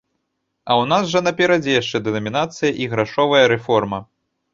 А ў нас жа наперадзе яшчэ дэнамінацыя і грашовая рэформа.